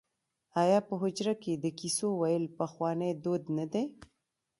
آیا په حجره کې د کیسو ویل پخوانی دود نه دی؟